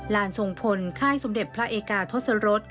ลานส่งผลไข้สมเด็จพระเอกทศรสตร์